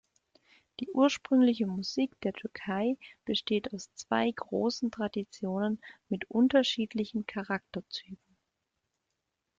Die ursprüngliche Musik der Türkei besteht aus zwei großen Traditionen mit unterschiedlichen Charakterzügen.